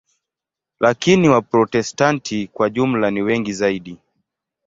Lakini Waprotestanti kwa jumla ni wengi zaidi.